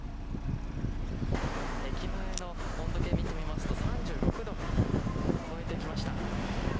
駅前の温度計を見てみますと３６度を超えてきました。